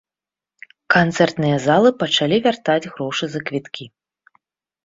Канцэртныя залы пачалі вяртаць грошы за квіткі.